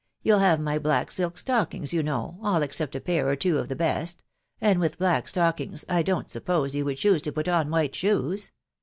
You'll have my black silk stockings, you know, all except a pair or two of the best, — and with black stockings I don't suppose you would choose to put on white shoes.